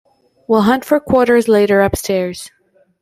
We'll hunt for quarters later upstairs.